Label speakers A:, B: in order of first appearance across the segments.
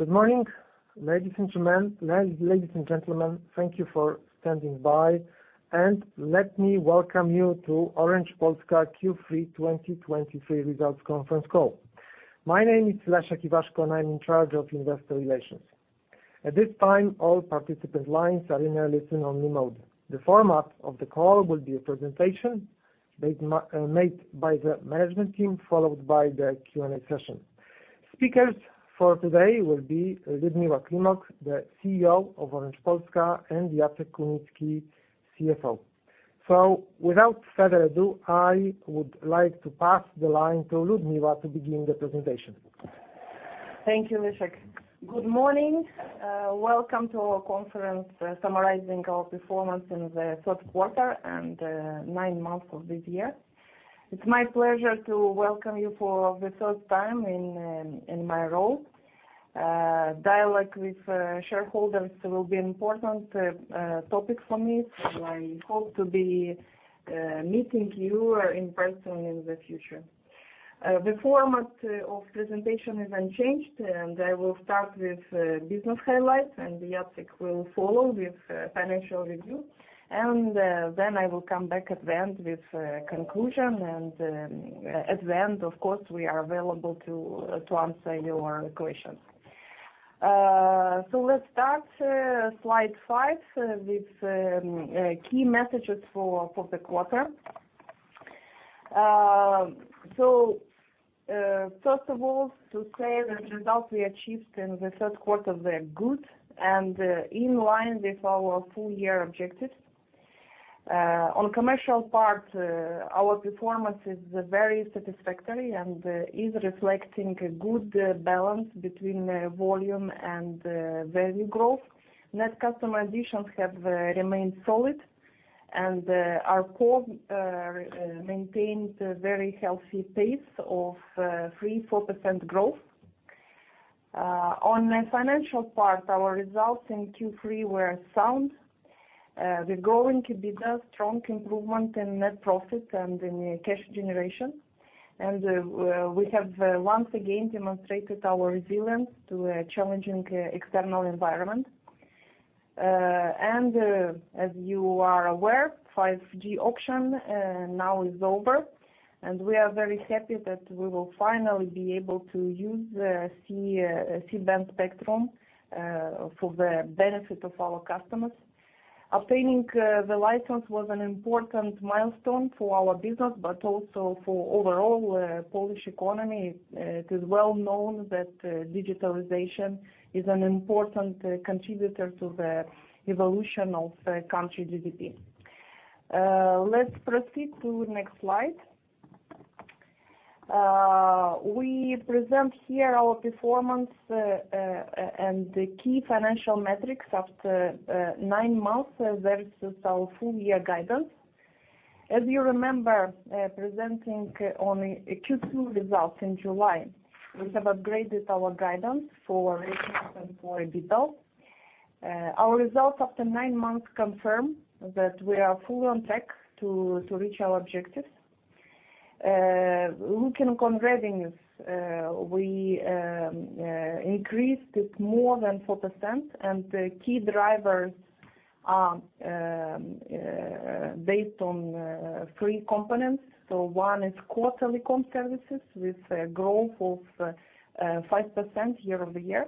A: Good morning, ladies and gentlemen. Ladies, ladies and gentlemen, thank you for standing by, and let me welcome you to Orange Polska Q3 2023 Results Conference Call. My name is Leszek Iwaszko, and I'm in charge of investor relations. At this time, all participant lines are in a listen-only mode. The format of the call will be a presentation made, made by the management team, followed by the Q&A session. Speakers for today will be Liudmila Climoc, the CEO of Orange Polska, and Jacek Kunicki, CFO. So without further ado, I would like to pass the line to Liudmila to begin the presentation.
B: Thank you, Leszek. Good morning, welcome to our conference summarizing our performance in the third quarter and 9 months of this year. It's my pleasure to welcome you for the third time in my role. Dialogue with shareholders will be important topic for me, so I hope to be meeting you in person in the future. The format of presentation is unchanged, and I will start with business highlights, and Jacek will follow with financial review, and then I will come back at the end with conclusion. At the end, of course, we are available to answer your questions. So let's start, Slide 5, with key messages for the quarter. So, first of all, to say the results we achieved in the third quarter were good and in line with our full year objectives. On commercial part, our performance is very satisfactory and is reflecting a good balance between the volume and value growth. Net customer additions have remained solid, and our core maintained a very healthy pace of 3%-4% growth. On the financial part, our results in Q3 were sound. We're going to build a strong improvement in net profit and in cash generation. And we have once again demonstrated our resilience to a challenging external environment. As you are aware, 5G auction now is over, and we are very happy that we will finally be able to use the C-band spectrum for the benefit of our customers. Obtaining the license was an important milestone for our business, but also for overall Polish economy. It is well known that digitalization is an important contributor to the evolution of the country GDP. Let's proceed to the next slide. We present here our performance and the key financial metrics after nine months versus our full year guidance. As you remember, presenting on Q2 results in July, we have upgraded our guidance for revenue and for EBITDA. Our results after nine months confirm that we are fully on track to reach our objectives. Looking on revenues, we increased it more than 4%, and the key drivers are based on three components. One is core telecom services with a growth of 5% year-over-year,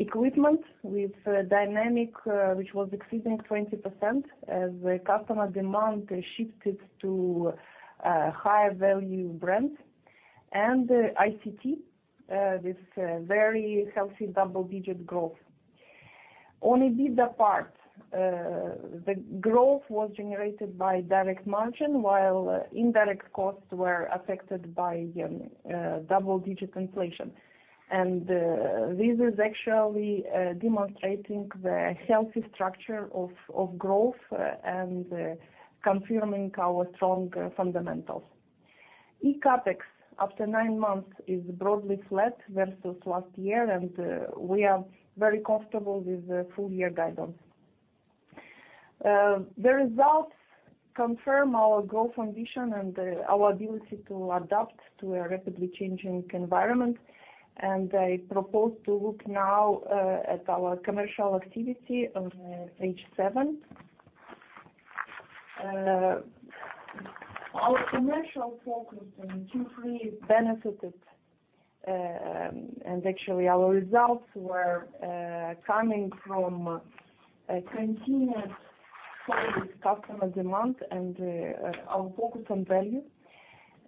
B: equipment with dynamic, which was exceeding 20% as the customer demand shifted to higher value brands, and ICT with a very healthy double-digit growth. On EBITDA part, the growth was generated by direct margin, while indirect costs were affected by double-digit inflation. This is actually demonstrating the healthy structure of growth, and confirming our strong fundamentals. eCapex, after nine months, is broadly flat versus last year, and we are very comfortable with the full year guidance. The results confirm our growth ambition and our ability to adapt to a rapidly changing environment. I propose to look now at our commercial activity on page seven. Our commercial focus in Q3 benefited, and actually our results were coming from a continued solid customer demand and our focus on value.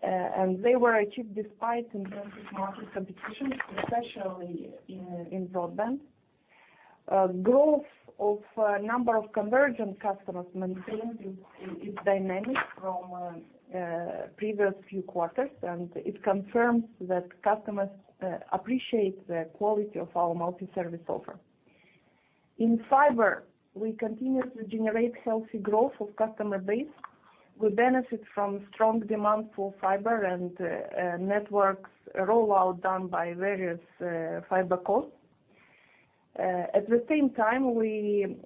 B: They were achieved despite intensive market competition, especially in broadband. Growth of number of convergent customers maintained its dynamic from previous few quarters, and it confirms that customers appreciate the quality of our multi-service offer. In fiber, we continue to generate healthy growth of customer base. We benefit from strong demand for fiber and networks rollout done by various FiberCos. At the same time, we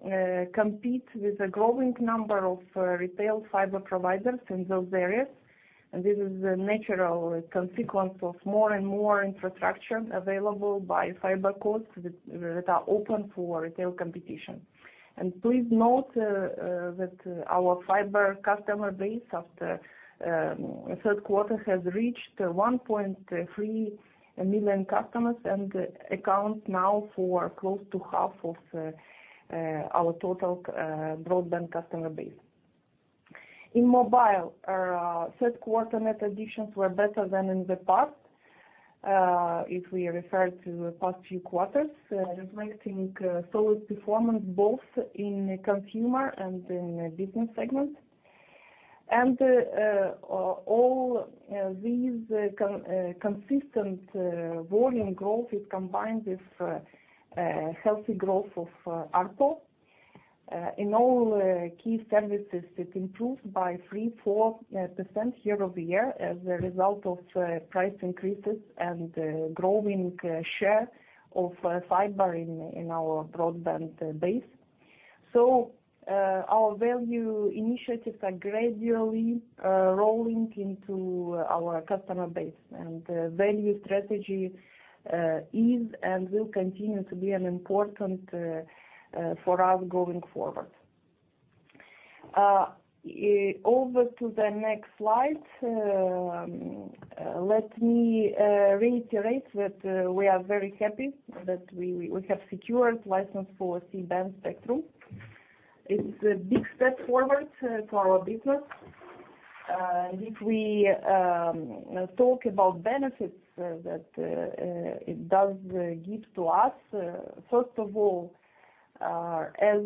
B: compete with a growing number of retail fiber providers in those areas, and this is a natural consequence of more and more infrastructure available by FiberCos that are open for retail competition. Please note that our fiber customer base after third quarter has reached 1.3 million customers and accounts now for close to half of our total broadband customer base. In mobile, our third quarter net additions were better than in the past if we refer to the past few quarters, reflecting solid performance both in consumer and in business segment. All these consistent volume growth is combined with healthy growth of ARPU. In all key services, it improved by 3%-4% year-over-year as a result of price increases and growing share of fiber in our broadband base. So, our value initiatives are gradually rolling into our customer base, and value strategy is and will continue to be an important for us going forward. Over to the next slide. Let me reiterate that we are very happy that we have secured license for C-band spectrum. It's a big step forward to our business. If we talk about benefits that it does give to us, first of all, as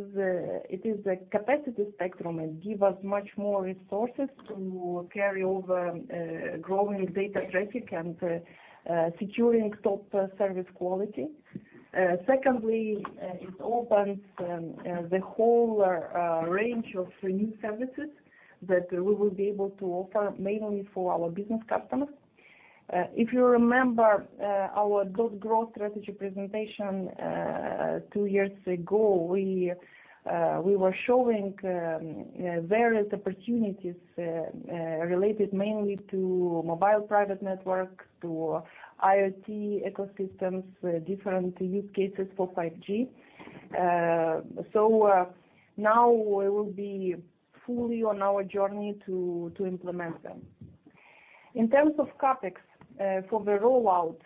B: it is a capacity spectrum, it give us much more resources to carry over growing data traffic and securing top service quality. Secondly, it opens the whole range of new services that we will be able to offer mainly for our business customers. If you remember our .Grow strategy presentation two years ago, we were showing various opportunities related mainly to Mobile Private Network, to IoT ecosystems, different use cases for 5G. So now we will be fully on our journey to implement them. In terms of CapEx for the rollout,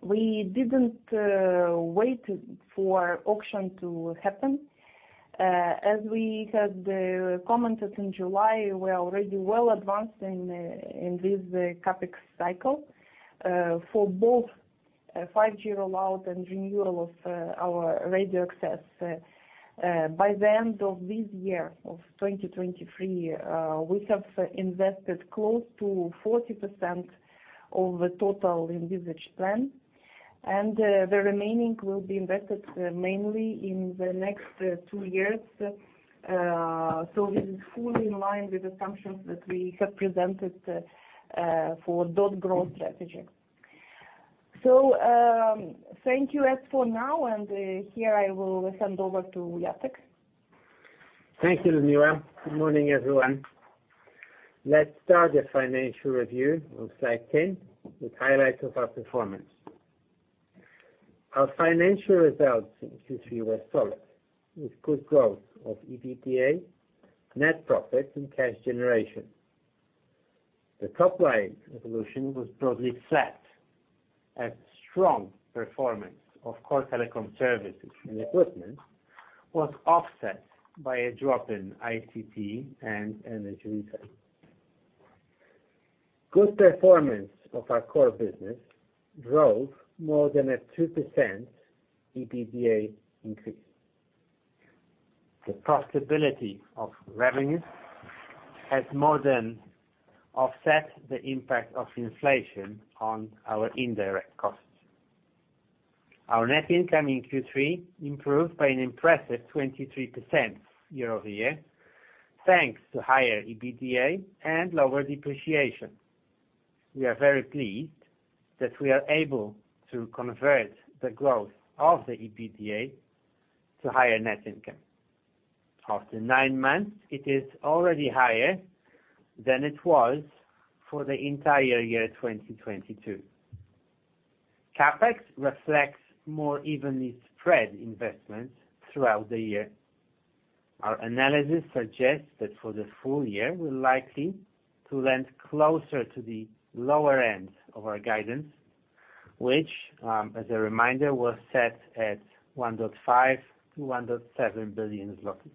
B: we didn't wait for auction to happen. As we had commented in July, we are already well advanced in this CapEx cycle for both 5G rollout and renewal of our radio access. By the end of this year, of 2023, we have invested close to 40% of the total in this plan, and the remaining will be invested mainly in the next two years. So this is fully in line with assumptions that we have presented for .Grow strategy. So, thank you for now, and here I will hand over to Jacek.
C: Thank you, Liudmila. Good morning, everyone. Let's start the financial review on Slide 10, with highlights of our performance. Our financial results in Q3 were solid, with good growth of EBITDA, net profit, and cash generation. The top line evolution was broadly flat. A strong performance of core telecom services and equipment was offset by a drop in ICT and energy revenues. Good performance of our core business drove more than a 2% EBITDA increase. The profitability of revenue has more than offset the impact of inflation on our indirect costs. Our net income in Q3 improved by an impressive 23% year-over-year, thanks to higher EBITDA and lower depreciation. We are very pleased that we are able to convert the growth of the EBITDA to higher net income. After nine months, it is already higher than it was for the entire year, 2022. CapEx reflects more evenly spread investments throughout the year. Our analysis suggests that for the full year, we're likely to land closer to the lower end of our guidance, which, as a reminder, was set at 1.5 billion-1.7 billion zloty.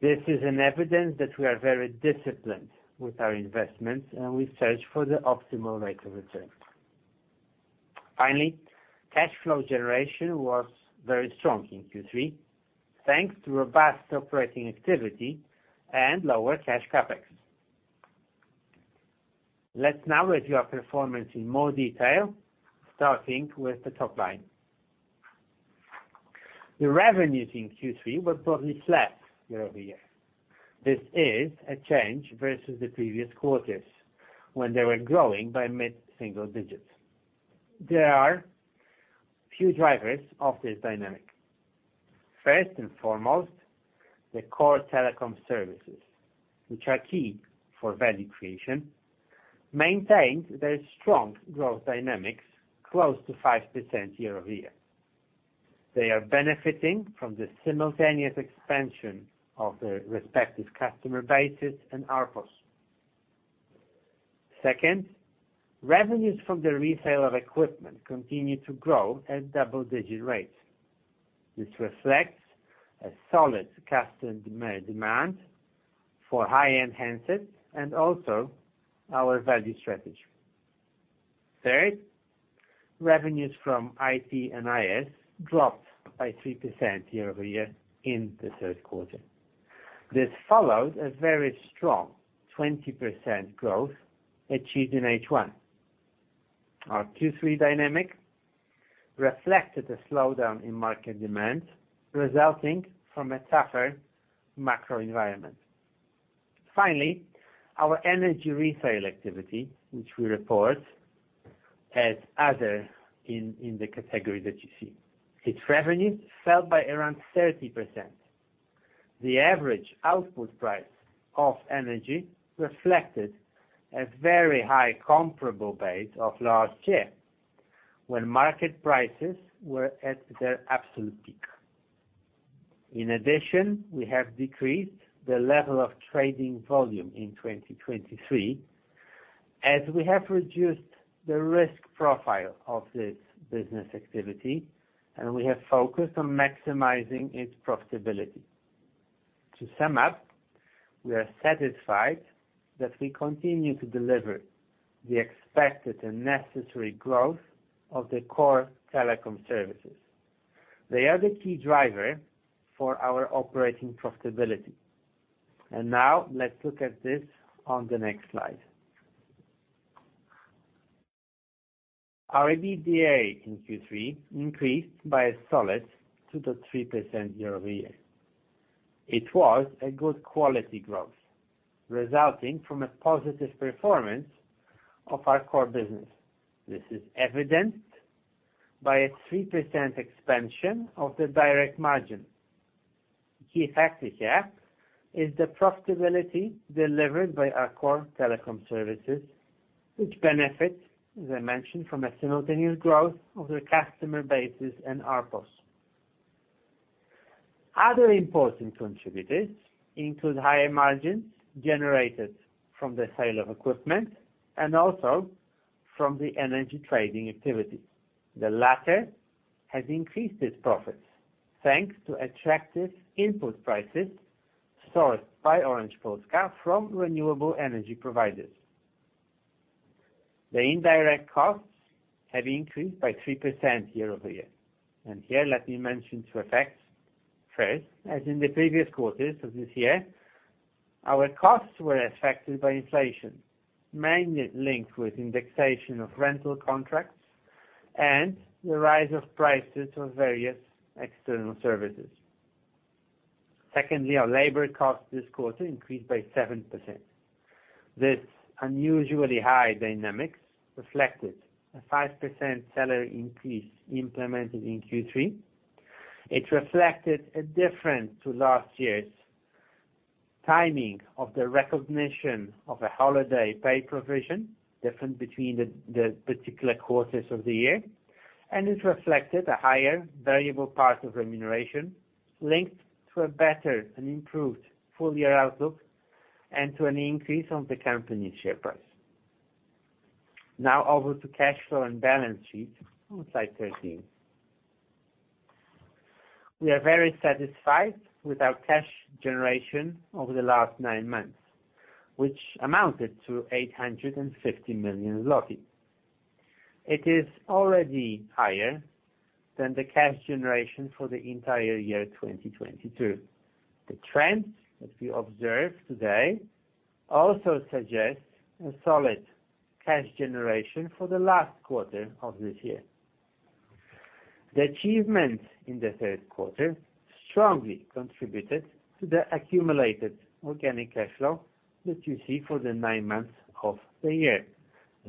C: This is an evidence that we are very disciplined with our investments, and we search for the optimal rate of return. Finally, cash flow generation was very strong in Q3, thanks to robust operating activity and lower cash CapEx. Let's now review our performance in more detail, starting with the top line. The revenues in Q3 were broadly flat year-over-year. This is a change versus the previous quarters, when they were growing by mid-single digits. There are few drivers of this dynamic. First and foremost, the core telecom services, which are key for value creation, maintained their strong growth dynamics, close to 5% year-over-year. They are benefiting from the simultaneous expansion of their respective customer bases and ARPOs. Second, revenues from the resale of equipment continued to grow at double-digit rates. This reflects a solid customer demand for high-end handsets and also our value strategy. Third, revenues from IT and IS dropped by 3% year-over-year in the third quarter. This follows a very strong 20% growth achieved in H1. Our Q3 dynamic reflected a slowdown in market demand, resulting from a tougher macro environment. Finally, our energy resale activity, which we report as other in the category that you see, its revenue fell by around 30%. The average output price of energy reflected a very high comparable base of last year, when market prices were at their absolute peak. In addition, we have decreased the level of trading volume in 2023, as we have reduced the risk profile of this business activity, and we have focused on maximizing its profitability. To sum up, we are satisfied that we continue to deliver the expected and necessary growth of the core telecom services. They are the key driver for our operating profitability. Now let's look at this on the next slide. Our EBITDA in Q3 increased by a solid 2%-3% year-over-year. It was a good quality growth, resulting from a positive performance of our core business. This is evidenced by a 3% expansion of the direct margin. The key factor here is the profitability delivered by our core telecom services, which benefit, as I mentioned, from a simultaneous growth of their customer bases and ARPOs. Other important contributors include higher margins generated from the sale of equipment and also from the energy trading activities. The latter has increased its profits, thanks to attractive input prices sourced by Orange Polska from renewable energy providers. The indirect costs have increased by 3% year-over-year, and here, let me mention two effects. First, as in the previous quarters of this year, our costs were affected by inflation, mainly linked with indexation of rental contracts and the rise of prices of various external services. Secondly, our labor costs this quarter increased by 7%. This unusually high dynamics reflected a 5% salary increase implemented in Q3. It reflected a difference to last year's timing of the recognition of a holiday pay provision, different between the particular quarters of the year, and it reflected a higher variable part of remuneration linked to a better and improved full-year outlook and to an increase on the company share price. Now over to cash flow and balance sheet on Slide 13. We are very satisfied with our cash generation over the last nine months, which amounted to 850 million zloty. It is already higher than the cash generation for the entire year, 2022. The trends that we observe today also suggest a solid cash generation for the last quarter of this year. The achievements in the third quarter strongly contributed to the accumulated organic cash flow that you see for the nine months of the year.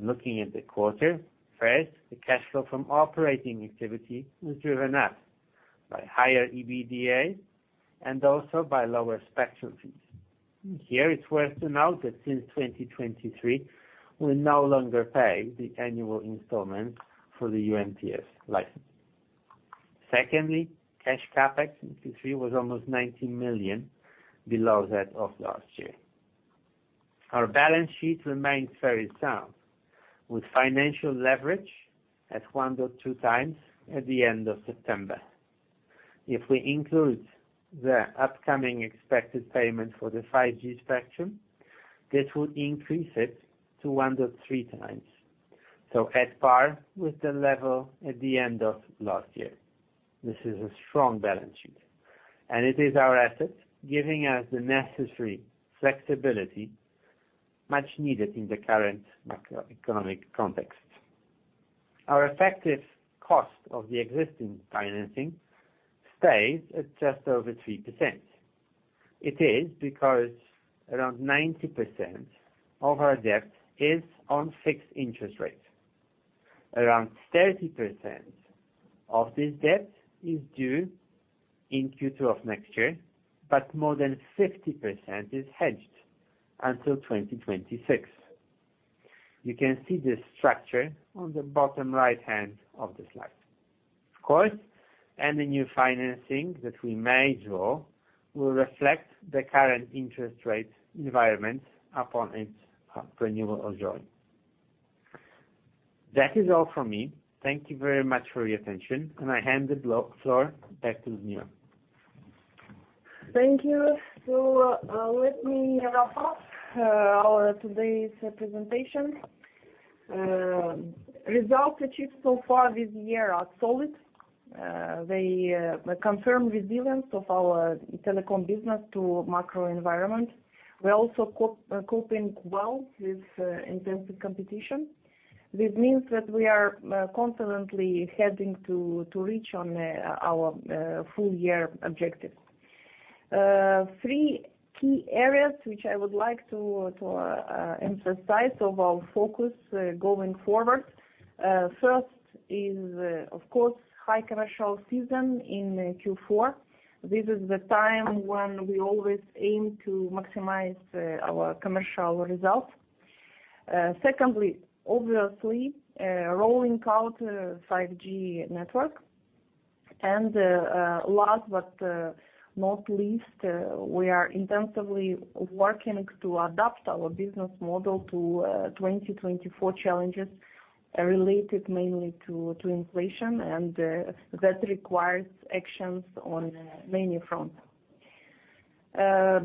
C: Looking at the quarter, first, the cash flow from operating activity was driven up by higher EBITDA and also by lower spectrum fees. Here, it's worth to note that since 2023, we no longer pay the annual installment for the UMTS license. Secondly, cash CapEx in Q3 was almost 19 million below that of last year. Our balance sheet remains very sound, with financial leverage at 1.2 times at the end of September. If we include the upcoming expected payment for the 5G spectrum, this would increase it to 1.3 times, so at par with the level at the end of last year. This is a strong balance sheet... and it is our asset, giving us the necessary flexibility, much needed in the current macroeconomic context. Our effective cost of the existing financing stays at just over 3%. It is because around 90% of our debt is on fixed interest rate. Around 30% of this debt is due in Q2 of next year, but more than 50% is hedged until 2026. You can see this structure on the bottom right-hand of the slide. Of course, any new financing that we may draw will reflect the current interest rate environment upon its renewal or issuance. That is all from me. Thank you very much for your attention, and I hand the floor back to Liudmila.
B: Thank you. So, let me wrap up our today's presentation. Results achieved so far this year are solid. They confirm resilience of our telecom business to macro environment. We're also coping well with intensive competition. This means that we are confidently heading to reach our full year objective. Three key areas which I would like to emphasize of our focus going forward. First is, of course, high commercial season in Q4. This is the time when we always aim to maximize our commercial results. Secondly, obviously, rolling out 5G network. And last, but not least, we are intensively working to adapt our business model to 2024 challenges, related mainly to inflation, and that requires actions on many fronts.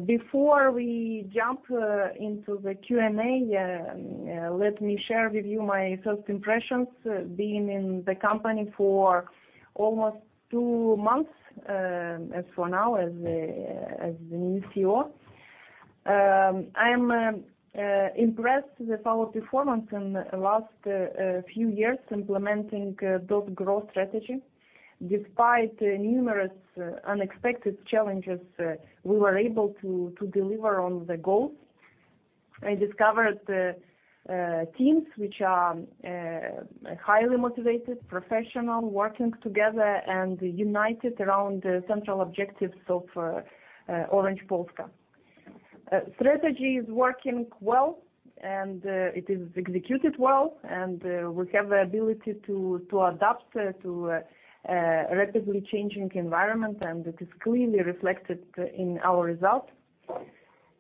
B: Before we jump into the Q&A, let me share with you my first impressions, being in the company for almost two months, as for now, as the new CEO. I'm impressed with our performance in the last few years, implementing .Grow strategy. Despite numerous unexpected challenges, we were able to deliver on the goals. I discovered teams which are highly motivated, professional, working together and united around the central objectives of Orange Polska. Strategy is working well, and it is executed well, and we have the ability to adapt to rapidly changing environment, and it is clearly reflected in our results.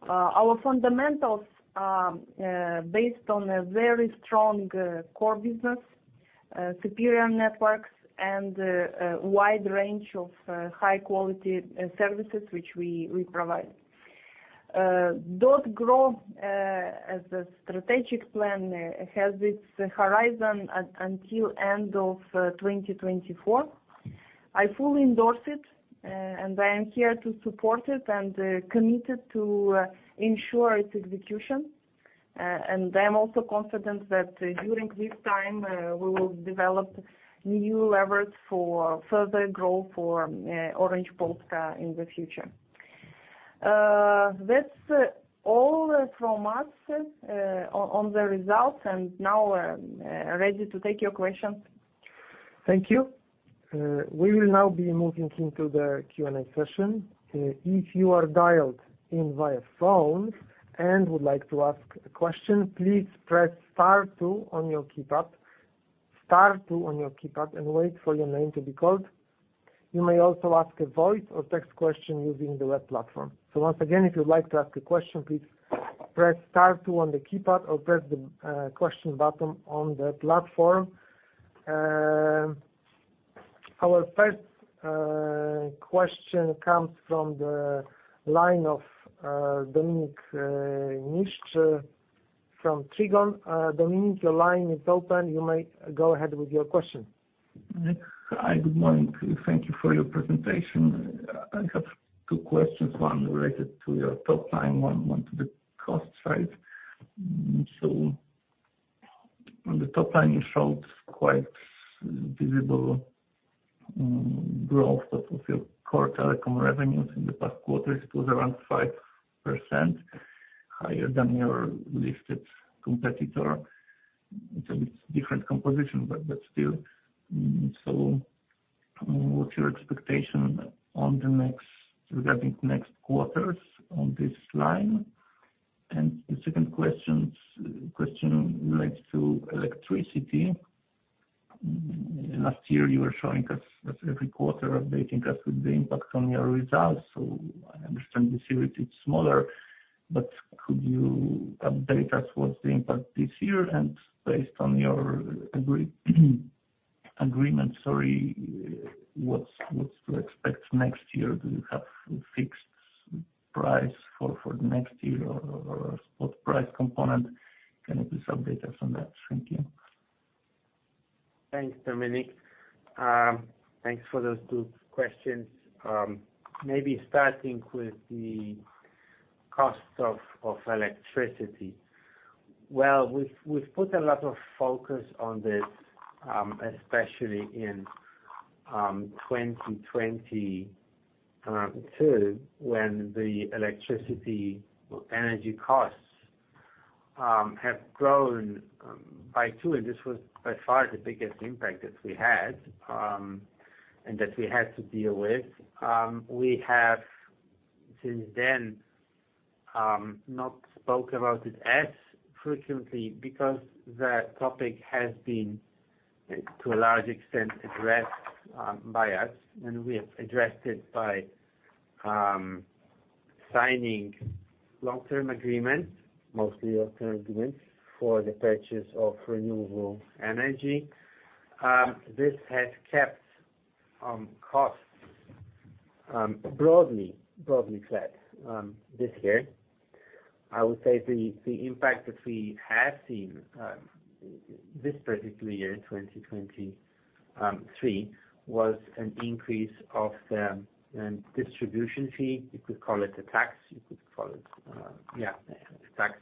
B: Our fundamentals are based on a very strong core business, superior networks, and a wide range of high-quality services, which we provide. .Grow as a strategic plan, has its horizon until end of 2024. I fully endorse it, and I am here to support it, and committed to ensure its execution. I am also confident that during this time, we will develop new levers for further growth for Orange Polska in the future. That's all from us on the results, and now I'm ready to take your questions.
A: Thank you. We will now be moving into the Q&A session. If you are dialed in via phone and would like to ask a question, please press star two on your keypad, star two on your keypad and wait for your name to be called. You may also ask a voice or text question using the web platform. So once again, if you'd like to ask a question, please press star two on the keypad or press the question button on the platform. Our first question comes from the line of Dominik Niszcz from Trigon. Dominik, your line is open. You may go ahead with your question.
D: Hi, good morning. Thank you for your presentation. I have two questions, one related to your top line, one to the cost side. So on the top line, you showed quite visible growth of your core telecom revenues. In the past quarters, it was around 5% higher than your listed competitor. It's a different composition, but still. So what's your expectation on the next, regarding next quarters on this line? And the second question relates to electricity. Last year, you were showing us that every quarter, updating us with the impact on your results. So I understand this year it is smaller, but could you update us what's the impact this year? And based on your agreement, sorry, what's to expect next year? Do you have a fixed price for the next year or spot price component? Can you please update us on that? Thank you.
C: Thanks, Dominik. Thanks for those two questions. Maybe starting with the cost of electricity. Well, we've put a lot of focus on this, especially in 2022, when the electricity energy costs have grown by two, and this was by far the biggest impact that we had, and that we had to deal with. We have since then not spoke about it as frequently because the topic has been, to a large extent, addressed by us, and we have addressed it by signing long-term agreements, mostly long-term agreements, for the purchase of renewable energy. This has kept costs broadly flat this year. I would say the impact that we have seen this particular year, 2023, was an increase of the distribution fee. You could call it a tax, you could call it, yeah, a tax,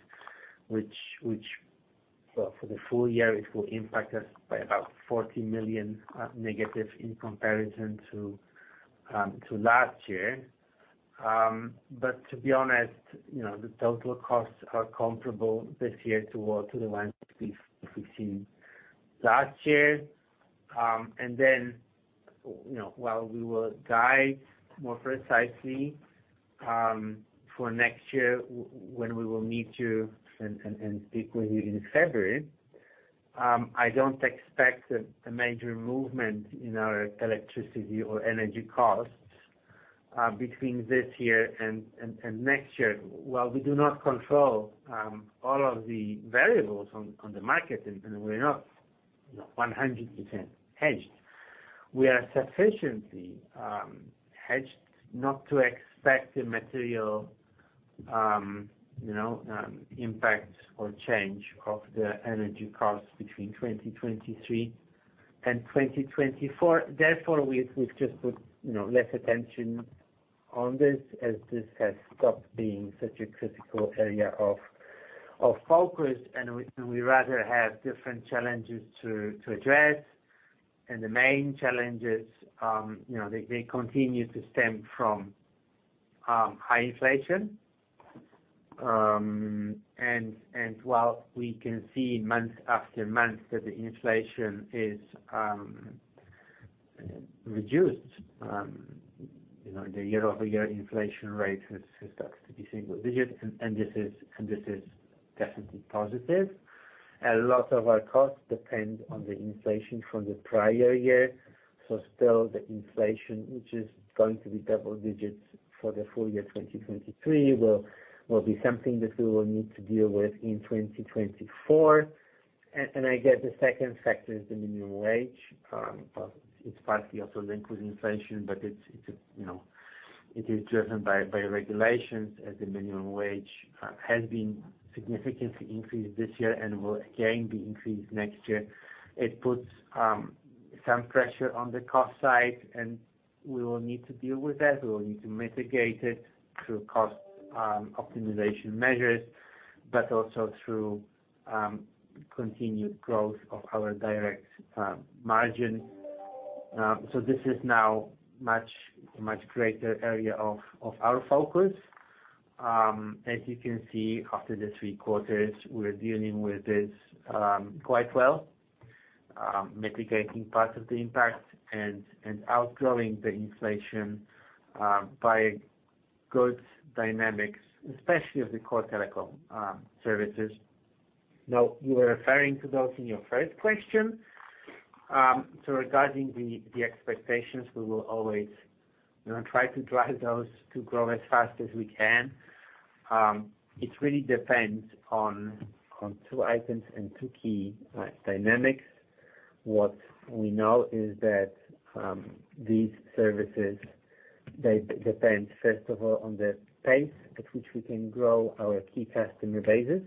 C: which, well, for the full year, it will impact us by about 40 million negative in comparison to last year. But to be honest, you know, the total costs are comparable this year to all, to the ones we've seen last year. And then, you know, while we will guide more precisely for next year when we will meet you and speak with you in February, I don't expect a major movement in our electricity or energy costs between this year and next year. While we do not control all of the variables on the market, and we're not, you know, 100% hedged, we are sufficiently hedged not to expect a material, you know, impact or change of the energy costs between 2023 and 2024. Therefore, we've just put, you know, less attention on this as this has stopped being such a critical area of focus, and we rather have different challenges to address. The main challenges, you know, they continue to stem from high inflation. And while we can see month after month that the inflation is reduced, you know, the year-over-year inflation rate has started to be single digit, and this is definitely positive. A lot of our costs depend on the inflation from the prior year, so still the inflation, which is going to be double digits for the full year 2023, will be something that we will need to deal with in 2024. And I guess the second factor is the minimum wage. Well, it's partly also linked with inflation, but it's, you know, it is driven by regulations, as the minimum wage has been significantly increased this year and will again be increased next year. It puts some pressure on the cost side, and we will need to deal with that. We will need to mitigate it through cost optimization measures, but also through continued growth of our direct margin. So this is now much greater area of our focus. As you can see, after the 3 quarters, we're dealing with this quite well, mitigating part of the impact and, and outgrowing the inflation by good dynamics, especially of the core telecom services. Now, you were referring to those in your first question. So regarding the, the expectations, we will always, you know, try to drive those to grow as fast as we can. It really depends on, on 2 items and 2 key dynamics. What we know is that, these services, they depend, first of all, on the pace at which we can grow our key customer bases.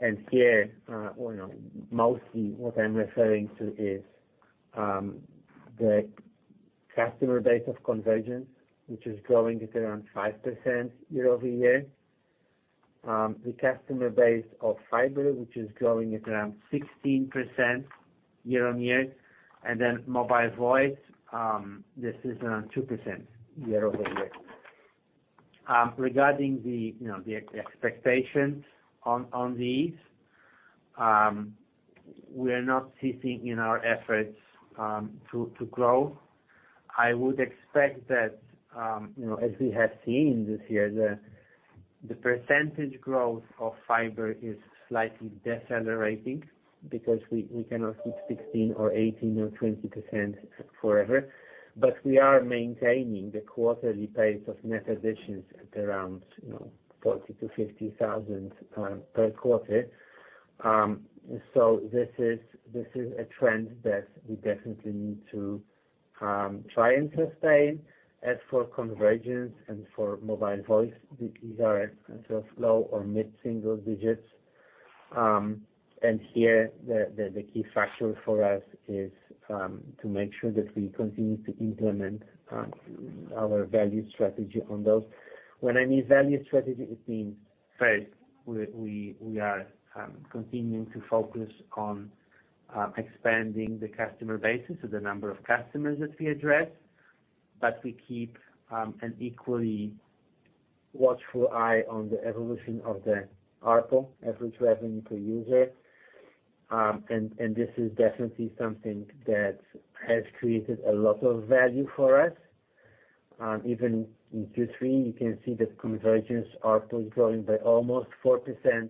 C: And here, well, mostly what I'm referring to is, the customer base of convergence, which is growing at around 5% year-over-year. The customer base of fiber, which is growing at around 16% year-over-year, and then mobile voice, this is around 2% year-over-year. Regarding the, you know, the expectations on these, we are not ceasing in our efforts to grow. I would expect that, you know, as we have seen this year, the percentage growth of fiber is slightly decelerating because we cannot keep 16% or 18% or 20% forever, but we are maintaining the quarterly pace of net additions at around, you know, 40,000-50,000 per quarter. So this is a trend that we definitely need to try and sustain. As for convergence and for mobile voice, these are sort of slow or mid-single digits. And here, the key factor for us is to make sure that we continue to implement our value strategy on those. When I mean value strategy, it means, first, we are continuing to focus on expanding the customer base, so the number of customers that we address. But we keep an equally watchful eye on the evolution of the ARPU, Average Revenue Per User. And this is definitely something that has created a lot of value for us. Even in Q3, you can see that convergence ARPU is growing by almost 4%.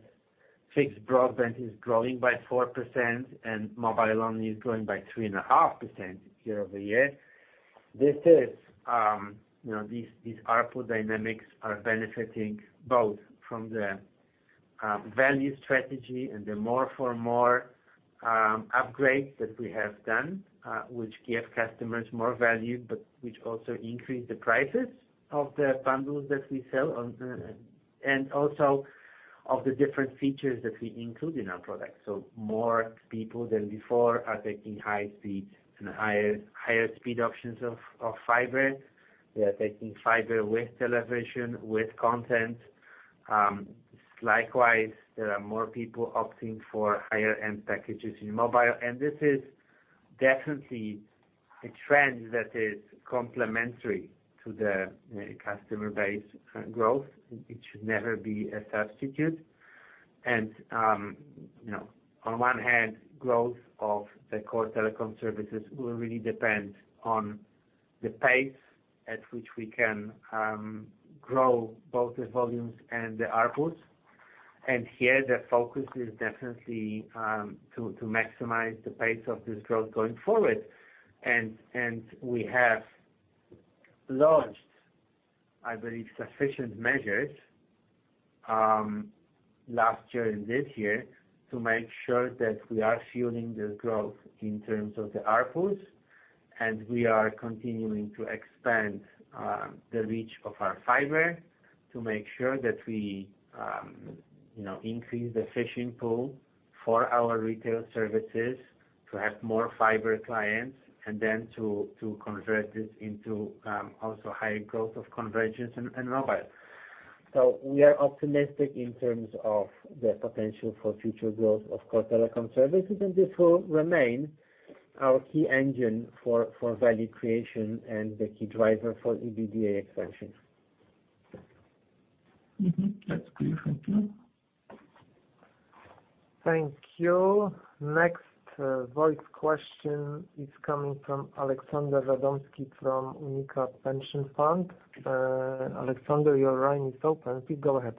C: Fixed broadband is growing by 4%, and mobile-only is growing by 3.5% year-over-year. This is, you know, these, these ARPU dynamics are benefiting both from the, value strategy and the More for More, upgrade that we have done, which give customers more value, but which also increase the prices of the bundles that we sell on the- And also of the different features that we include in our products. So more people than before are taking high speed and higher, higher speed options of, of fiber. They are taking fiber with television, with content. Likewise, there are more people opting for higher-end packages in mobile, and this is definitely a trend that is complementary to the, customer base, growth. It should never be a substitute. And, you know, on one hand, growth of the core telecom services will really depend on the pace at which we can, grow both the volumes and the ARPUs. Here, the focus is definitely to maximize the pace of this growth going forward. And we have launched, I believe, sufficient measures last year and this year, to make sure that we are fueling the growth in terms of the ARPUs, and we are continuing to expand the reach of our fiber, to make sure that we, you know, increase the fishing pool for our retail services, to have more fiber clients, and then to convert this into also higher growth of convergence and mobile. So we are optimistic in terms of the potential for future growth of core telecom services, and this will remain our key engine for value creation and the key driver for EBITDA expansion.
D: Mm-hmm. That's clear. Thank you.
A: Thank you. Next, voice question is coming from Aleksander Radoński from UNIQA Pension Fund. Alexander, your line is open. Please, go ahead.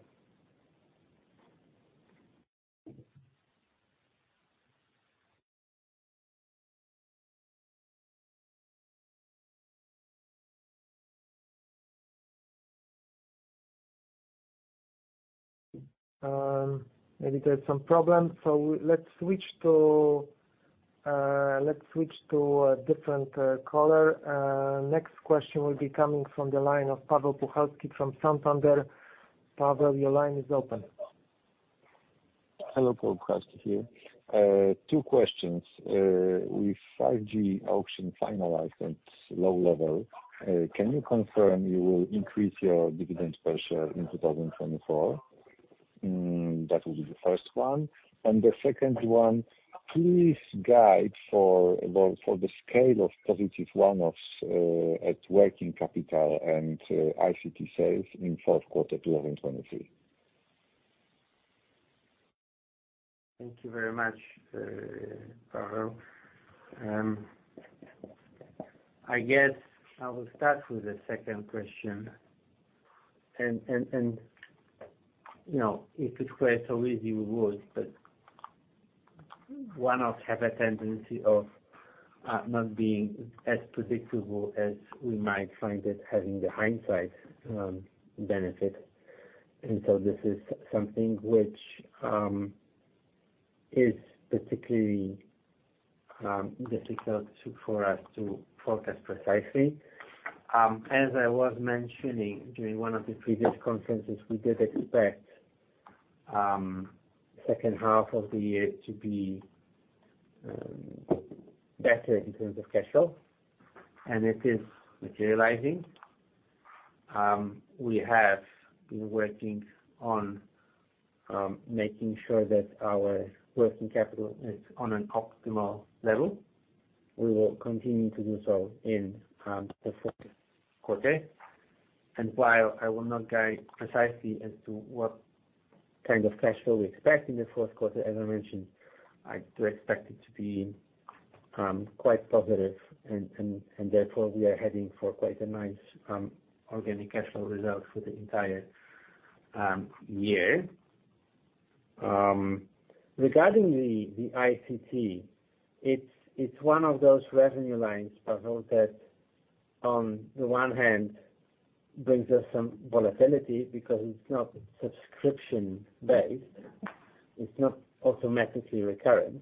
A: Maybe there's some problem. So let's switch to a different caller. Next question will be coming from the line of Paweł Puchalski from Santander. Paweł, your line is open.
E: Hello, Paweł Puchalski here. Two questions. With 5G auction finalized at low level, can you confirm you will increase your dividend per share in 2024? That will be the first one. And the second one, please guide for the, for the scale of positive one-offs, at working capital and, ICT sales in fourth quarter 2023.
C: Thank you very much, Paweł. I guess I will start with the second question. And you know, if it were so easy, we would, but one-offs have a tendency of not being as predictable as we might find it having the hindsight benefit. And so this is something which is particularly difficult to for us to forecast precisely. As I was mentioning during one of the previous conferences, we did expect second half of the year to be better in terms of cash flow, and it is materializing. We have been working on making sure that our working capital is on an optimal level. We will continue to do so in the fourth quarter. And while I will not guide precisely as to what kind of cash flow we expect in the fourth quarter, as I mentioned, I do expect it to be quite positive, and therefore, we are heading for quite a nice organic cash flow result for the entire year. Regarding the ICT, it's one of those revenue lines, Pavel, that on the one hand, brings us some volatility because it's not subscription-based, it's not automatically recurrent.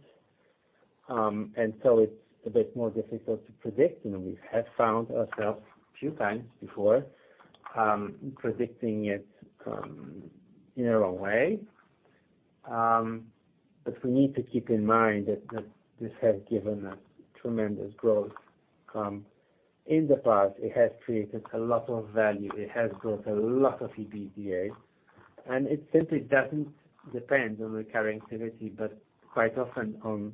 C: And so it's a bit more difficult to predict, and we have found ourselves a few times before, predicting it in a wrong way. But we need to keep in mind that this has given us tremendous growth. In the past, it has created a lot of value. It has brought a lot of EBITDA, and it simply doesn't depend on recurring activity, but quite often on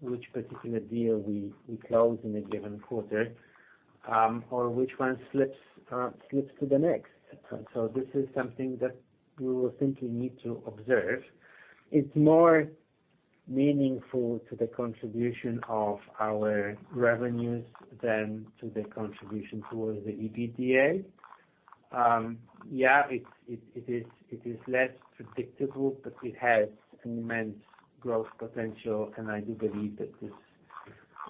C: which particular deal we close in a given quarter, or which one slips to the next. So this is something that we will simply need to observe. It's more meaningful to the contribution of our revenues than to the contribution towards the EBITDA. It is less predictable, but it has immense growth potential, and I do believe that this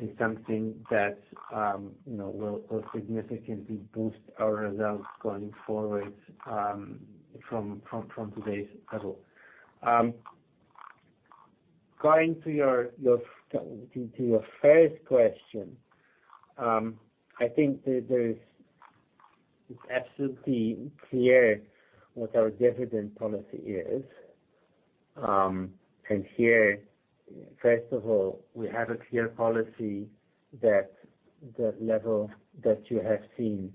C: is something that, you know, will significantly boost our results going forward, from today's level. Going to your first question, I think that there is, it's absolutely clear what our dividend policy is. And here, first of all, we have a clear policy that the level that you have seen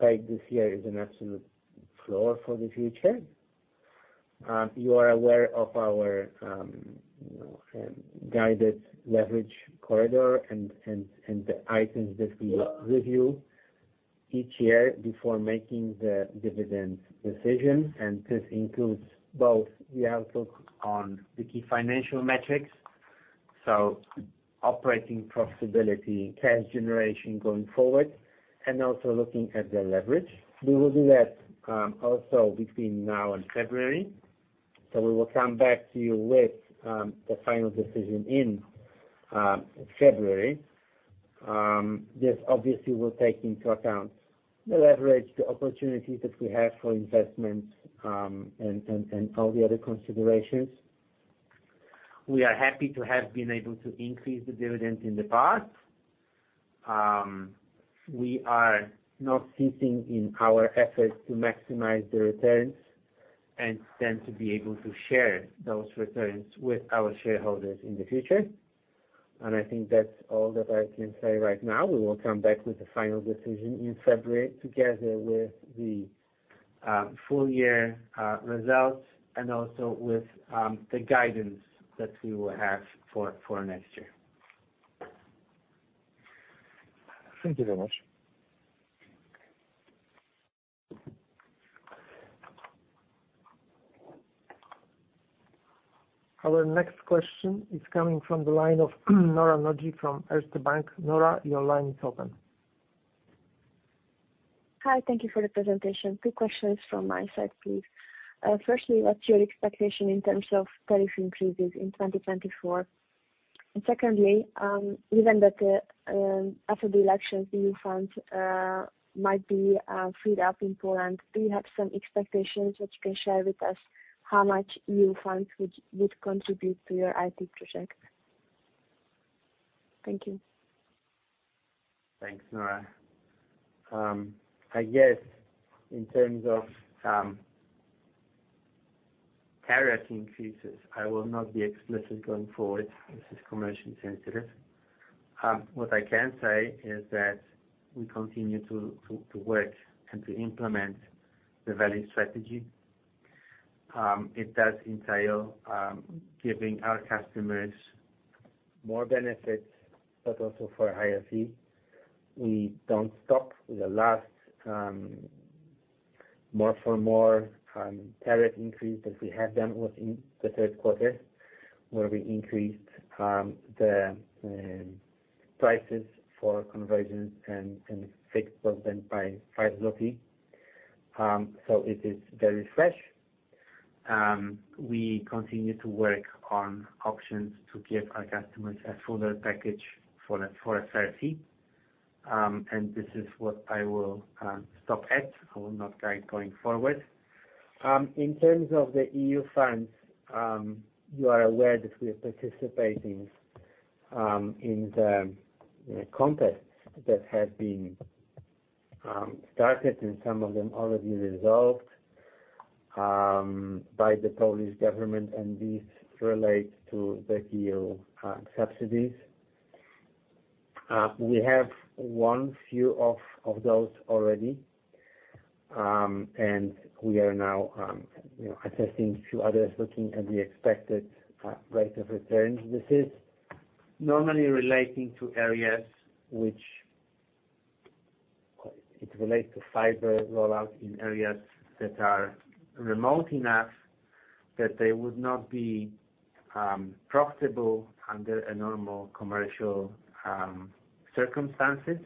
C: paid this year is an absolute floor for the future. You are aware of our, you know, guided leverage corridor and the items that we review each year before making the dividend decision, and this includes both the outlook on the key financial metrics. So operating profitability, cash generation going forward, and also looking at the leverage. We will do that also between now and February. So we will come back to you with the final decision in February. This obviously will take into account the leverage, the opportunities that we have for investment, and all the other considerations. We are happy to have been able to increase the dividend in the past. We are not ceasing in our efforts to maximize the returns, and then to be able to share those returns with our shareholders in the future. I think that's all that I can say right now. We will come back with the final decision in February, together with the full year results, and also with the guidance that we will have for next year.
E: Thank you very much.
A: Our next question is coming from the line of Nora Nagy from Erste Bank. Nora, your line is open.
F: Hi, thank you for the presentation. Two questions from my side, please. Firstly, what's your expectation in terms of tariff increases in 2024? And secondly, given that after the elections, the new fund might be freed up in Poland, do you have some expectations which you can share with us, how much new funds would contribute to your IT project? Thank you.
C: Thanks, Nora. I guess in terms of tariff increases, I will not be explicit going forward. This is commercially sensitive. What I can say is that we continue to work and to implement the value strategy. It does entail giving our customers more benefits, but also for a higher fee. We don't stop. The last more for more tariff increase, as we have done, was in the third quarter, where we increased the prices for convergence and fixed percent by PLN 5. It is very fresh. We continue to work on options to give our customers a fuller package for a fair fee. This is what I will stop at. I will not guide going forward. In terms of the EU funds, you are aware that we are participating in the contests that have been started, and some of them already resolved by the Polish government, and these relate to the EU subsidies. We have won few of those already, and we are now, you know, assessing few others, looking at the expected rate of returns. This is normally relating to areas which it relates to fiber rollout in areas that are remote enough that they would not be profitable under a normal commercial circumstances.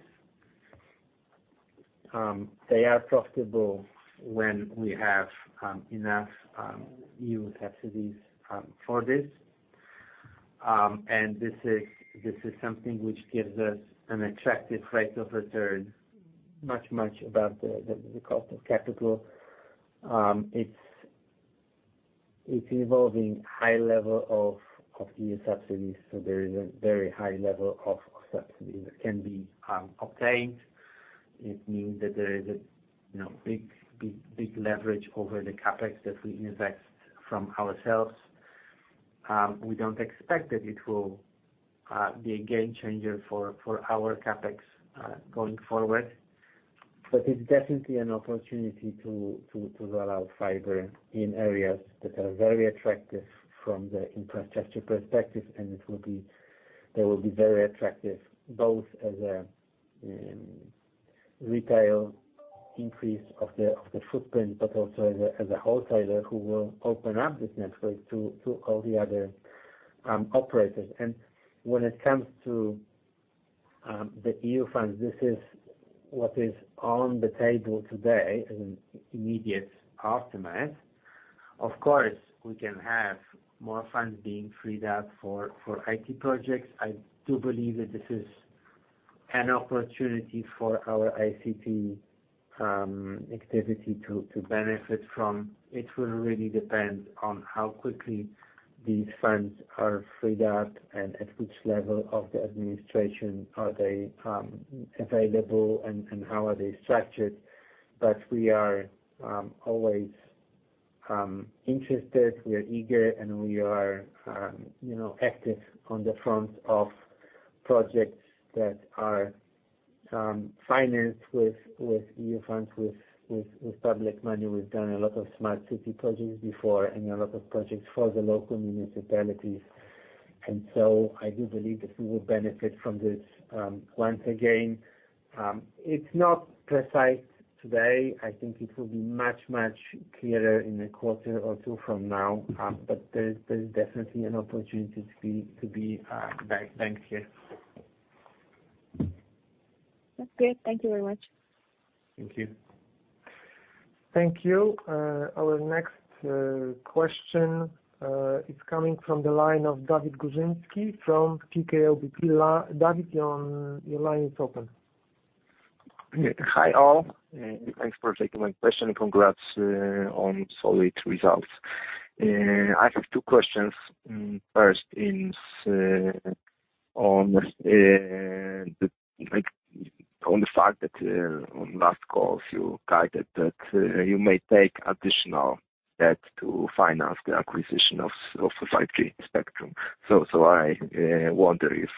C: They are profitable when we have enough EU subsidies for this. And this is, this is something which gives us an attractive rate of return, much, much above the cost of capital. It's involving high level of the subsidies, so there is a very high level of subsidy that can be obtained. It means that there is a, you know, big, big, big leverage over the CapEx that we invest from ourselves. We don't expect that it will be a game changer for our CapEx going forward. But it's definitely an opportunity to roll out fiber in areas that are very attractive from the infrastructure perspective, and it will be- they will be very attractive, both as a retail increase of the footprint, but also as a wholesaler who will open up this network to all the other operators. And when it comes to the EU funds, this is what is on the table today, in immediate aftermath. Of course, we can have more funds being freed up for IT projects. I do believe that this is an opportunity for our ICT activity to benefit from. It will really depend on how quickly these funds are freed up and at which level of the administration are they available, and how are they structured. But we are always interested, we are eager, and we are, you know, active on the front of projects that are financed with EU funds, with public money. We've done a lot of smart city projects before and a lot of projects for the local municipalities. So I do believe that we will benefit from this once again. It's not precise today. I think it will be much, much clearer in a quarter or two from now, but there's definitely an opportunity to be banked here. Thank you.
F: Thank you very much.
C: Thank you.
A: Thank you. Our next question is coming from the line of Dawid Górzyński from PKO BP. Dawid, your line is open.
G: Hi, all, and thanks for taking my question. Congrats on solid results. I have two questions. First is, like, on the fact that on last call, you guided that you may take additional debt to finance the acquisition of the 5G spectrum. So, I wonder if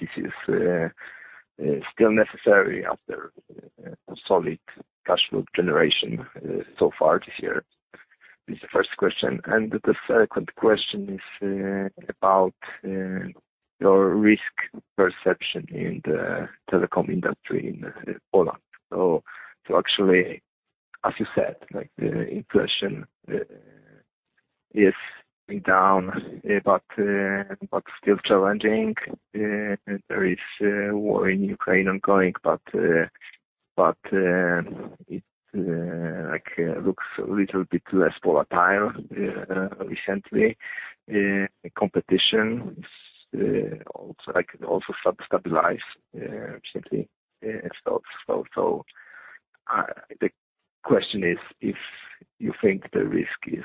G: this is still necessary after a solid cash flow generation so far this year? That is the first question. And the second question is about your risk perception in the telecom industry in Poland. So actually, as you said, like the inflation is down, but still challenging. There is a war in Ukraine ongoing, but it like looks a little bit less volatile recently. Competition is also like also stabilize recently. The question is: If you think the risk is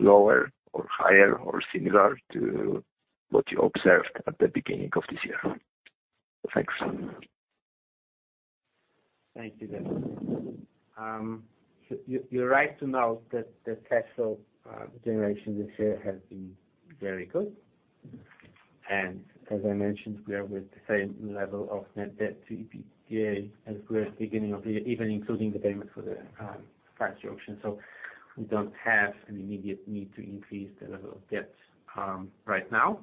G: lower or higher or similar to what you observed at the beginning of this year? Thanks.
C: Thank you, Dawid. So you're right to note that the cash flow generation this year has been very good. As I mentioned, we are with the same level of Net Debt to EBITDA as we are at the beginning of the year, even including the payment for the faster option. We don't have an immediate need to increase the level of debt right now.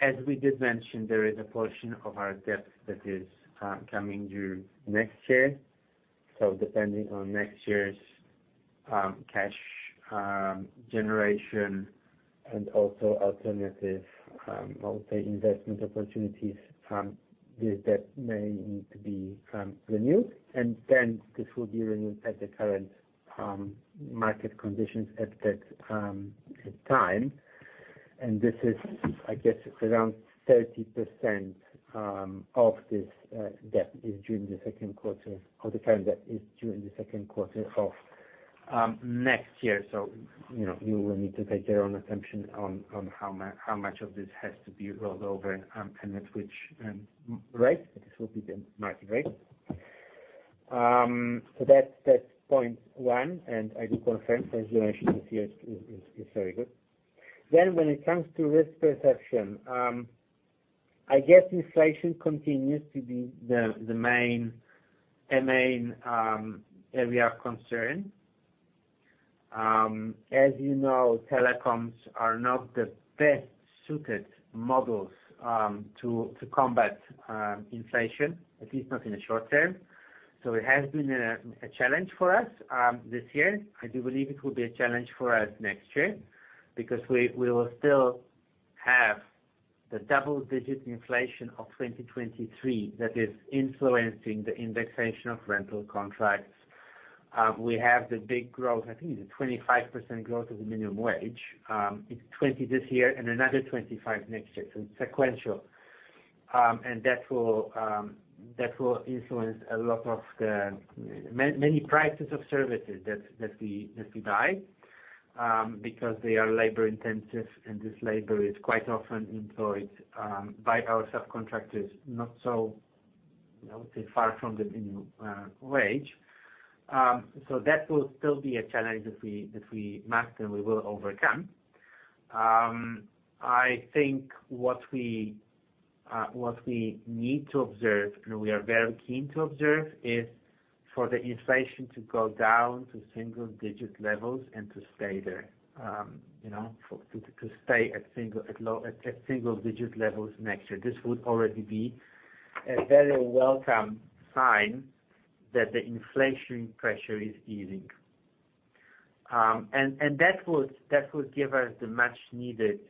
C: As we did mention, there is a portion of our debt that is coming due next year. Depending on next year's cash generation and also alternative multi investment opportunities, this debt may need to be renewed, and then this will be renewed at the current market conditions at that time. This is, I guess, around 30% of this debt is due in the second quarter, or the current debt is due in the second quarter of next year. So, you know, you will need to make your own assumption on how much of this has to be rolled over, and at which rate. This will be the market rate. So that's point one, and I do confirm, as you mentioned, this year is very good. Then, when it comes to risk perception, I guess inflation continues to be the main area of concern. As you know, telecoms are not the best-suited models to combat inflation, at least not in the short term. So it has been a challenge for us this year. I do believe it will be a challenge for us next year because we will still have the double-digit inflation of 2023 that is influencing the indexation of rental contracts. We have the big growth, I think it's a 25% growth of the minimum wage. It's 20% this year and another 25% next year, so it's sequential. And that will influence a lot of the many, many prices of services that we buy because they are labor intensive, and this labor is quite often employed by our subcontractors, not so, I would say, far from the minimum wage. So that will still be a challenge that we must and we will overcome. I think what we need to observe, and we are very keen to observe, is for the inflation to go down to single-digit levels and to stay there. You know, to stay at low single-digit levels next year. This would already be a very welcome sign that the inflationary pressure is easing. And that would give us the much needed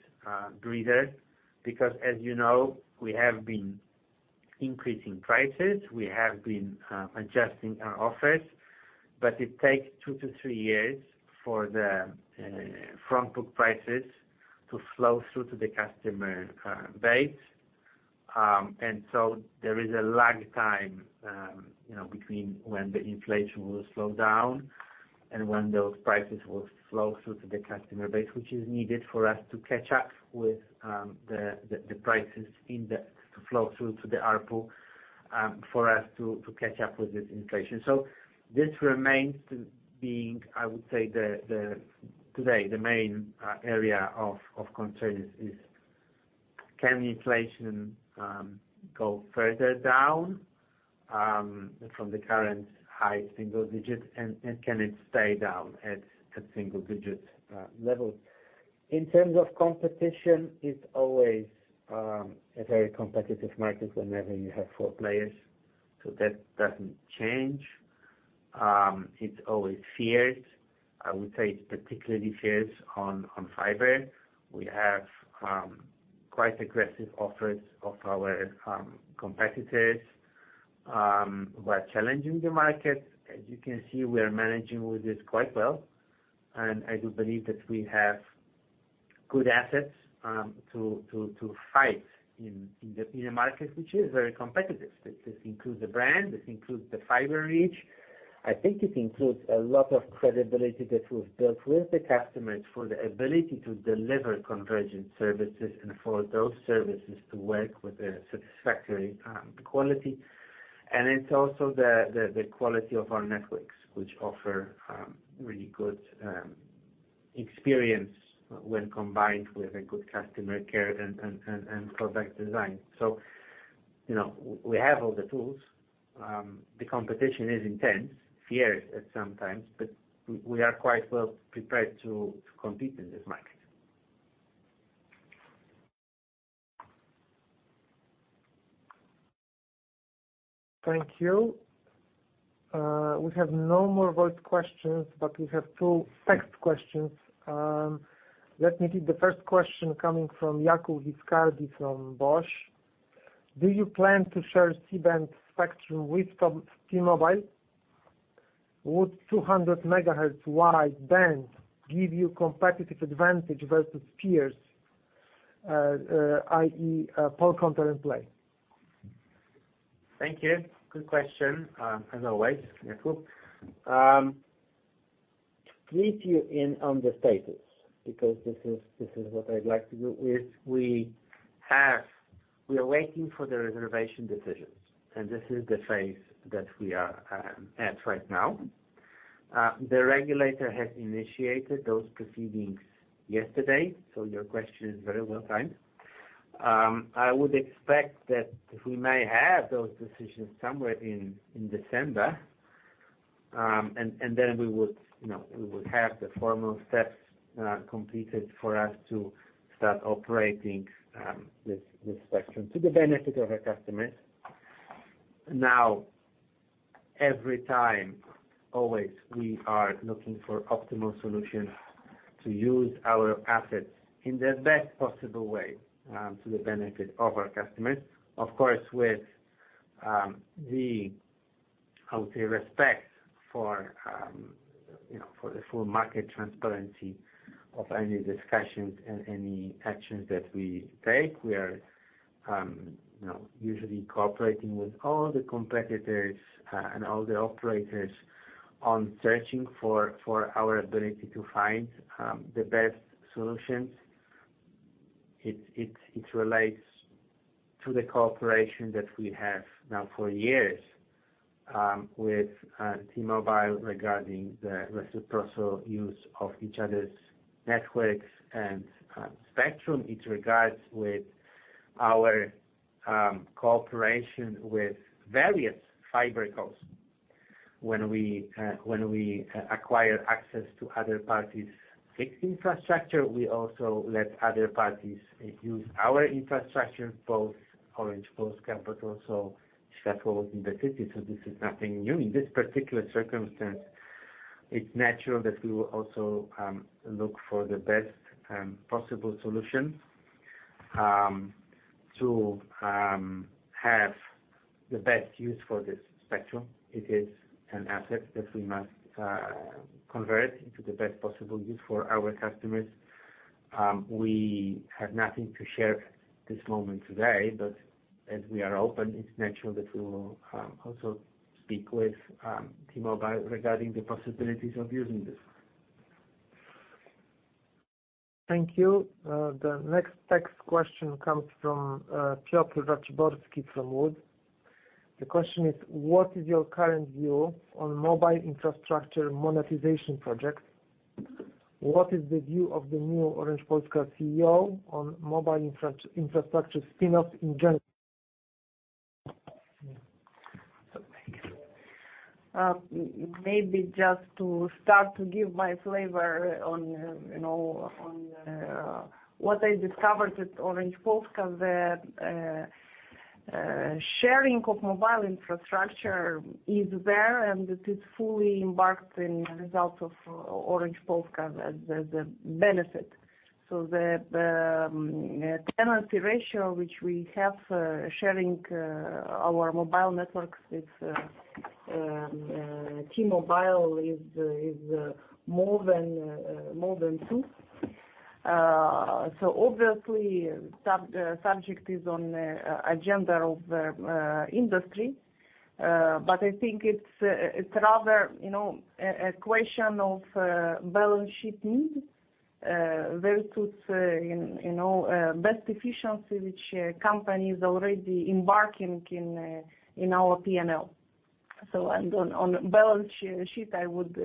C: breather, because as you know, we have been increasing prices. We have been adjusting our offers, but it takes two to three years for the front book prices to flow through to the customer base. And so there is a lag time, you know, between when the inflation will slow down and when those prices will flow through to the customer base, which is needed for us to catch up with the prices to flow through to the ARPU, for us to catch up with this inflation. So this remains to being, I would say, today the main area of concern is can inflation go further down from the current high single digits, and can it stay down at a single-digit level? In terms of competition, it's always a very competitive market whenever you have four players, so that doesn't change. It's always feared. I would say it's particularly feared on fiber. We have quite aggressive offers of our competitors who are challenging the market. As you can see, we are managing with this quite well, and I do believe that we have good assets to fight in a market which is very competitive. This includes the brand, this includes the fiber reach. I think it includes a lot of credibility that we've built with the customers for the ability to deliver convergent services and for those services to work with a satisfactory quality. And it's also the quality of our networks, which offer really good experience when combined with a good customer care and product design. So, you know, we have all the tools. The competition is intense, fierce at some times, but we are quite well prepared to compete in this market.
A: Thank you. We have no more voice questions, but we have two text questions. Let me read the first question coming from Jakub Viscardi from BOŚ. Do you plan to share C-band spectrum with T-Mobile? Would 200 megahertz wide band give you competitive advantage versus peers, i.e., Polsat and Play?
C: Thank you. Good question, as always, Jacob. To brief you in on the status, because this is what I'd like to do, is we have—we are waiting for the reservation decisions, and this is the phase that we are at right now. The regulator has initiated those proceedings yesterday, so your question is very well timed. I would expect that we may have those decisions somewhere in December. And then we would, you know, we would have the formal steps completed for us to start operating this spectrum to the benefit of our customers. Now, every time, always, we are looking for optimal solutions to use our assets in the best possible way to the benefit of our customers. Of course, with the, I would say, respect for, you know, for the full market transparency of any discussions and any actions that we take. We are, you know, usually cooperating with all the competitors and all the operators on searching for our ability to find the best solutions. It relates to the cooperation that we have now for years with T-Mobile regarding the reciprocal use of each other's networks and spectrum. It regards with our cooperation with various FiberCos. When we acquire access to other parties' fixed infrastructure, we also let other parties use our infrastructure, both Orange Polska, so several in the city, so this is nothing new. In this particular circumstance-... It's natural that we will also look for the best possible solutions to have the best use for this spectrum. It is an asset that we must convert into the best possible use for our customers. We have nothing to share this moment today, but as we are open, it's natural that we will also speak with T-Mobile regarding the possibilities of using this.
A: Thank you. The next text question comes from Piotr Raciborski from Wood. The question is: What is your current view on mobile infrastructure monetization projects? What is the view of the new Orange Polska CEO on mobile infrastructure spin-off in general?
B: Maybe just to start to give my flavor on, you know, on what I discovered at Orange Polska, the sharing of mobile infrastructure is there, and it is fully embarked in the result of Orange Polska as the benefit. The tenancy ratio, which we have sharing our mobile networks with T-Mobile, is more than two. Obviously, subject is on the agenda of the industry, but I think it's rather, you know, a question of balance sheet needs versus, you know, best efficiency which company is already embarking in, in our PNL. So on balance sheet, I would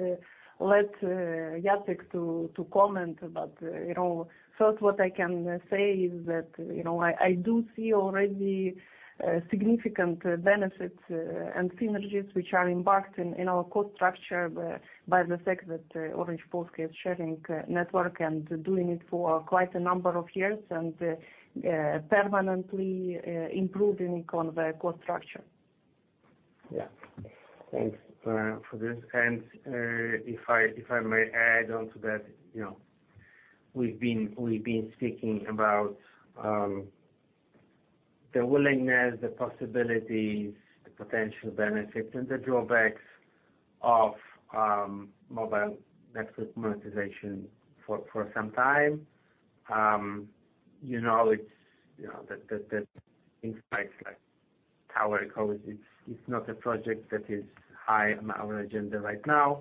B: let Jacek to comment, but you know, first what I can say is that, you know, I do see already significant benefits and synergies which are embarked in our cost structure by the fact that Orange Polska is sharing network and doing it for quite a number of years and permanently improving on the cost structure.
C: Yeah. Thanks for this. And if I may add on to that, you know, we've been speaking about the willingness, the possibilities, the potential benefits and the drawbacks of mobile network monetization for some time. You know, it's you know, the insights, like TowerCo, it's not a project that is high on our agenda right now.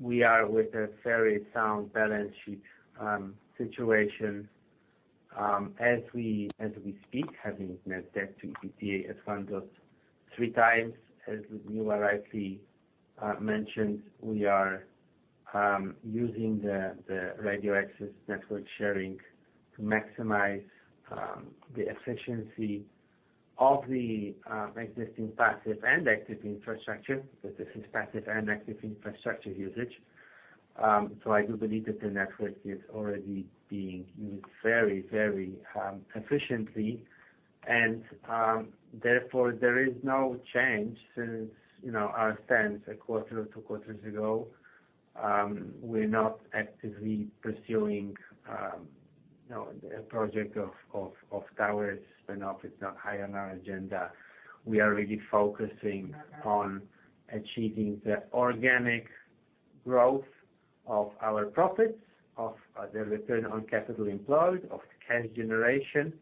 C: We are with a very sound balance sheet situation. As we speak, having Net Debt to EBITDA at 1.3 times, as you rightly mentioned, we are using the radio access network sharing to maximize the efficiency of the existing passive and active infrastructure, because this is passive and active infrastructure usage. So I do believe that the network is already being used very, very efficiently, and therefore, there is no change since, you know, our stance a quarter or two quarters ago. We're not actively pursuing, you know, a project of towers spin-off. It's not high on our agenda. We are really focusing on achieving the organic growth of our profits, of the return on capital employed, of cash generation,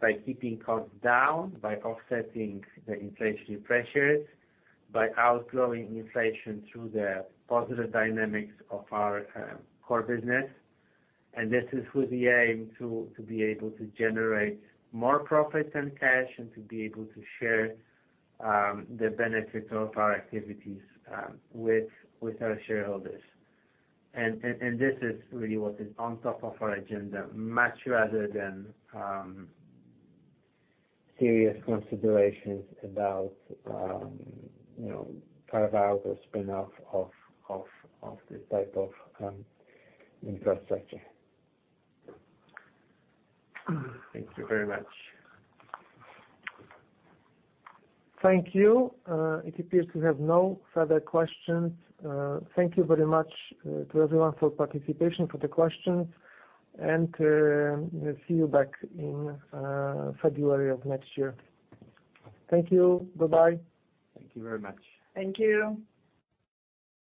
C: by keeping costs down, by offsetting the inflationary pressures, by outflowing inflation through the positive dynamics of our core business. And this is with the aim to be able to generate more profits and cash, and to be able to share the benefits of our activities with our shareholders. This is really what is on top of our agenda, much rather than serious considerations about, you know, carve-out or spin-off of this type of infrastructure. Thank you very much.
A: Thank you. It appears we have no further questions. Thank you very much, to everyone, for participation, for the questions, and we'll see you back in February of next year. Thank you. Bye-bye.
C: Thank you very much.
B: Thank you.